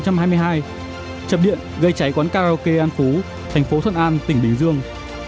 chập điện gây cháy quán karaoke an phú tp thuận an tp bình dương